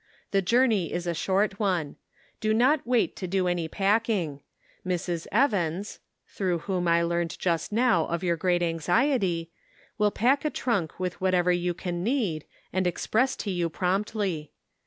The journey is a short one. Do not wait to do any packing ; Mrs. Evans (through whom I learned just now of your great anxiety) will pack a trunk with whatever you can need, and express to you promptly.